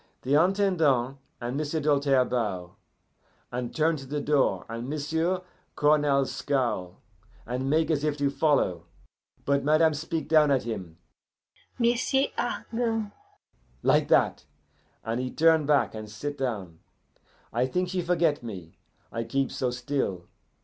The Intendant and M'sieu' Doltaire bow, and turn to the door, and M'sieu' Cournal scowl, and make as if to follow; but madame speak down at him, 'M'sieu' Argand' like that! and he turn back, and sit down. I think she forget me, I keep so still.